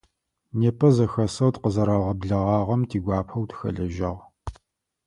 Непэ зэхэсэу тыкъызэрагъэблэгъагъэм тигуапэу тыхэлэжьагъ.